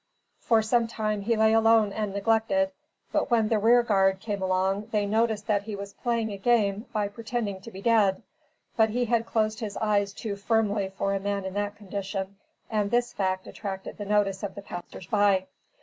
For some time he lay alone and neglected, but when the rear guard came along they noticed that he was playing a game by pretending to be dead; but he had closed his eyes too firmly for a man in that condition, and this fact attracted the notice of the passers by.